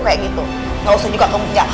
kayak gitu gak usah juga kamu ya